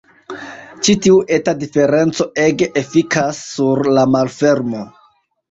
Ĉi tiu eta diferenco ege efikas sur la malfermo.